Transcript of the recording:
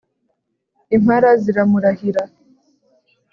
impara ziramurahira